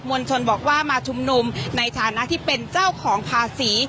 วลชนบอกว่ามาชุมนุมในฐานะที่เป็นเจ้าของภาษี